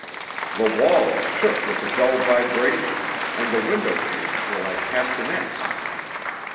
The walls shook with a dull vibration, and the window panes were like castanets.